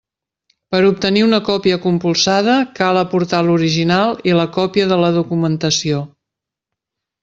Per obtenir una còpia compulsada, cal aportar l'original i la còpia de la documentació.